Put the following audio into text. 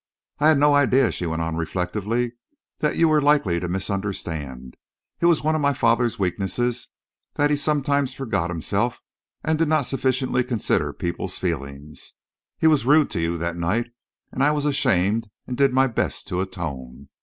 "I had no idea," she went on reflectively, "that you were likely to misunderstand. It was one of my father's weaknesses that he sometimes forgot himself and did not sufficiently consider people's feelings. He was rude to you that night, and I was ashamed and did my best to atone.